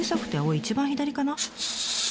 一番左かな？